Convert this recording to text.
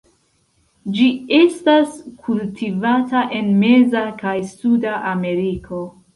Ĝi estas kultivata en meza kaj suda Ameriko.